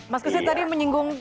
mas kusit tadi menyinggung